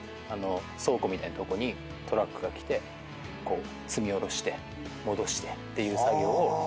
倉庫みたいなとこにトラックが来て積み降ろして戻してっていう作業を。